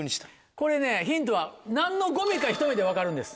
これねヒントは何のゴミかひと目で分かるんです。